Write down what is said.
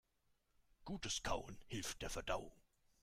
Gutes Kauen hilft der Verdauung.